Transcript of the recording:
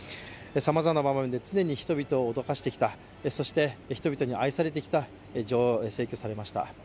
さまざまな場面で常に人々を驚かせてきた、そして人々に愛されてきた女王が逝去されました。